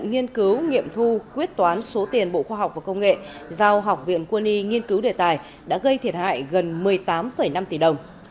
nghiên cứu nghiệm thu quyết toán số tiền bộ khoa học và công nghệ giao học viện quân y nghiên cứu đề tài đã gây thiệt hại gần một mươi tám năm tỷ đồng